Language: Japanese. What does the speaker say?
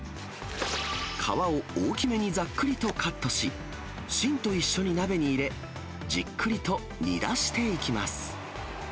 皮を大きめにざっくりとカットし、芯と一緒に鍋に入れ、じっくりと煮出していきます。